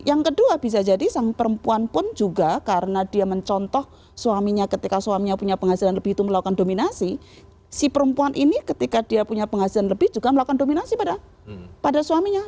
yang kedua bisa jadi sang perempuan pun juga karena dia mencontoh suaminya ketika suaminya punya penghasilan lebih itu melakukan dominasi si perempuan ini ketika dia punya penghasilan lebih juga melakukan dominasi pada suaminya